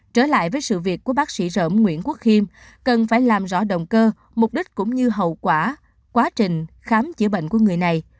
trở lại với sự việc của bác sĩ rễm nguyễn quốc khiêm cần phải làm rõ động cơ mục đích cũng như hậu quả quá trình khám chữa bệnh của người này